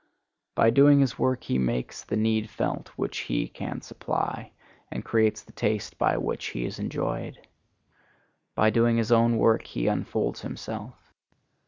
By doing his work he makes the need felt which he can supply, and creates the taste by which he is enjoyed. By doing his own work he unfolds himself.